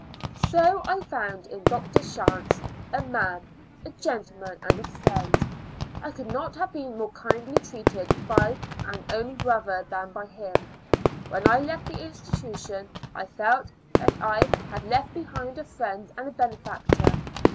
So I found in Dr. Shantz a "man, a gentle man and a friend." I could not have been more kindly treated by an own brother than by him. When I left the institution, I felt that I had left behind a friend and a benefactor.